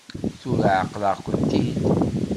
Tura ɛeqleɣ-kent-id.